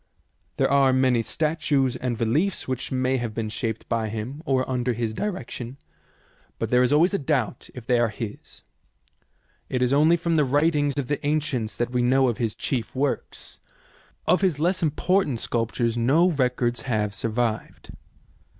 There are many statues and reliefs which may have been shaped by him or under his direction, but there is always a doubt if they are his. It is only from 84 THE SEVEN WONDERS & the writings of the ancients that we know of his chief works; of his less important sculptures no records have survived.